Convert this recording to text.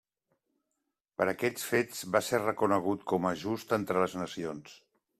Per aquests fets, va ser reconegut com a Just entre les Nacions.